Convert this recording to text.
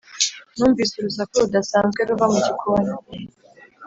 numvise urusaku rudasanzwe ruva mu gikoni.